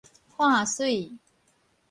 看媠